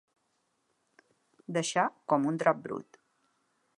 Deixar com un drap brut.